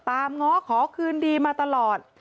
ง้อขอคืนดีมาตลอด